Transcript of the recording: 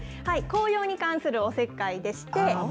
紅葉に関するおせっかいでして。